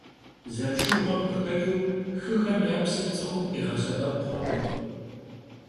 Zerışşıuğem khıxeç'ıu xıxem ya psır ts'ıxum khiğesebep xhurkhım.